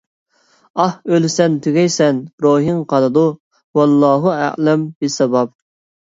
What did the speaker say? ئاھ، ئۆلىسەن، تۈگەيسەن، روھىڭ قالىدۇ. ۋاللاھۇ ئەئلەم بىسساۋاب!